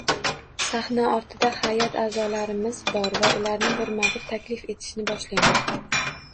Sahna ortida hay’at a’zolarimiz bor va ularni birma bir taklif etishni boshlayman.